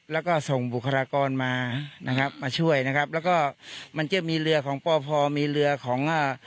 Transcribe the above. แล้วก็ส่งบุคลากรมานะครับมาช่วยนะครับแล้วก็มันจะมีเรือของปอพอมีเรือของอ่า